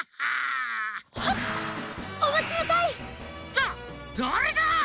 だだれだ！？